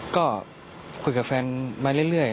ก็คุยกับแฟนมาเรื่อย